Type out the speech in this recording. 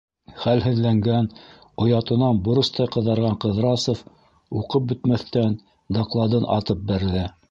- Хәлһеҙләнгән, оятынан боростай ҡыҙарған Ҡыҙрасов, уҡып бөтмәҫтән, докладын атып бәрҙе.